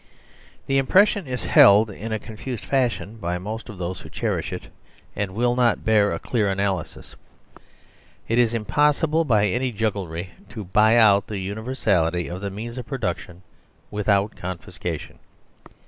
The impression is held in a confused fashion by most of those who cherish it, and will not bear a clear analysis. 145 10 THE SERVILE STATE It is impossible by any jugglery to "buy out" the univer sality of the means of production without confiscation.